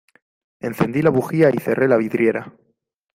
Encendí la bujía y cerré la vidriera.